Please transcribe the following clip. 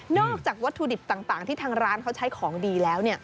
จากวัตถุดิบต่างที่ทางร้านเขาใช้ของดีแล้ว